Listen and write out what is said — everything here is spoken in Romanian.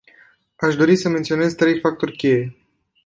Aș dori să menționez trei factori cheie.